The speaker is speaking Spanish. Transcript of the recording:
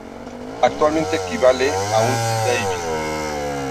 Actualmente equivale a un David.